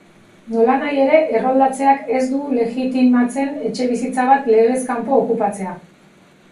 Nolanahi ere, erroldatzeak ez du legitimatzen etxebizitza bat legez kanpo okupatzea.